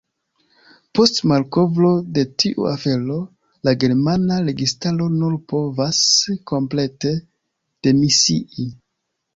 Post malkovro de tiu afero, la germana registaro nur povas komplete demisii.